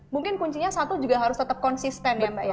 mungkin kuncinya satu juga harus tetap konsisten ya mbak ya